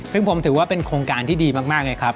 ซึ่งผมถือว่าเป็นโครงการที่ดีมากเลยครับ